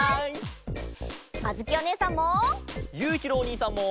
あづきおねえさんも。